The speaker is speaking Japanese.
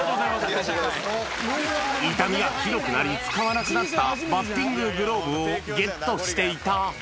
傷みがひどくなり、使わなくなったバッティンググローブをゲットしていた。